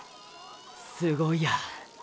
すごいや。